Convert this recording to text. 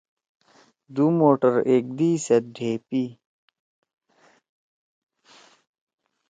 دُو موٹر ایک دئی سیت ڈھیپِئی۔